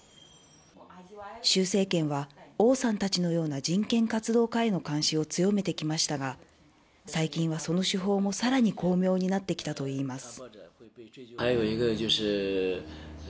シュウ政権はオウさんたちのような人権活動家への監視を強めてきましたが、最近はその手法もさらに巧妙になってきたといいます。